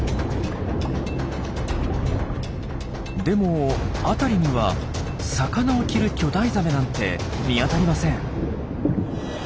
でも辺りには「魚を着る巨大ザメ」なんて見当たりません。